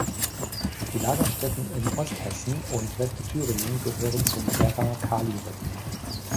Die Lagerstätten in Osthessen und Westthüringen gehören zum Werra-Kalirevier.